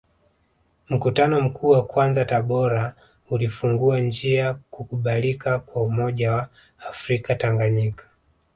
Mkutano Mkuu wa kwanza Tabora ulifungua njia kukubalika kwa umoja wa afrika Tanganyika